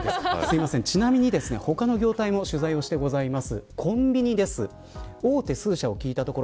ちなみに他の業態も取材をしています。